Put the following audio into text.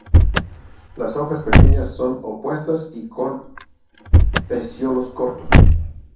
Las hojas pequeñas son opuestas y con peciolos cortos.